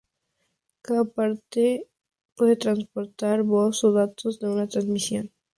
Cada parte puede transportar voz o datos en una transmisión.